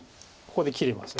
ここで切れます。